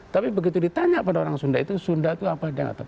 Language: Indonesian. tapi begitu ditanya pada orang sunda itu sunda itu apa dia nggak tahu